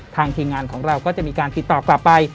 ทีมงานของเราก็จะมีการติดต่อกลับไป